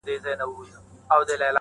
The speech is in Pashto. نه خبره یې پر باز باندي اثر کړي،